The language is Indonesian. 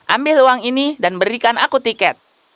ambil uang ini dan berikan aku tiket